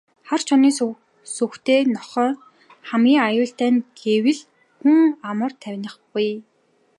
Хар чонын зүстэй нохойн хамгийн аюултай нь гэвэл хүн амар танихгүй.